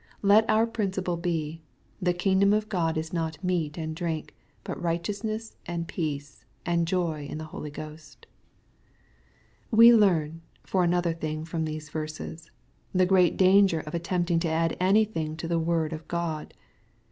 Let our principle be :" the kingdom of God is not meat and drink, but righteousness and peace, and joy in the Holy Ghost." (Rom. xiv. 17.) We learn, for another thing, from these verses, the great danger of attempting to add anything to the word of God.